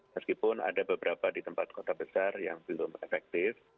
meskipun ada beberapa di tempat kota besar yang belum efektif